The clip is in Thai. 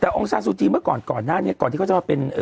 แต่องซาซูจีเมื่อก่อนก่อนหน้านี้ก่อนที่เขาจะมาเป็น